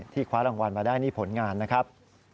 คว้ารางวัลมาได้นี่ผลงานนะครับ